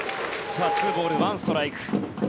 ２ボール１ストライク。